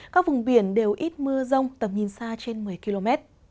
các vùng biển đều ít mưa rông tầm nhìn xa trên một mươi km